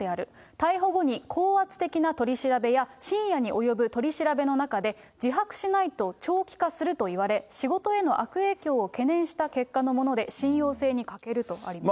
逮捕後に高圧的な取り調べや深夜に及ぶ取り調べの中で、自白しないと長期化すると言われ、仕事への悪影響を懸念した結果のもので、信用性に欠けるとあります。